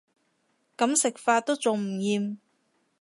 噉食法都仲唔厭